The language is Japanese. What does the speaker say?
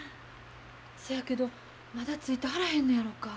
そやけどまだ着いてはらへんのやろか。